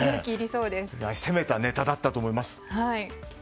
攻めたネタだったと思います。